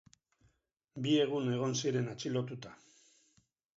Bi egun egon ziren atxilotuta.